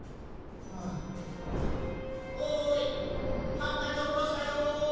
ハンカチおとしたよ！